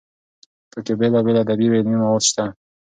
پکې بېلابېل ادبي او علمي مواد شته.